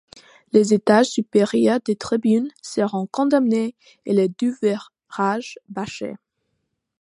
Les étages supérieurs des tribunes seront condamnés et les deux virages bâchés..